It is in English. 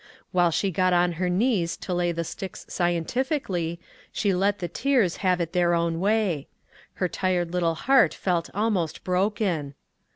While she got on her knees to lay the sticks scientifically, she let the tears have it their own way. Her tired little heart felt almost broken.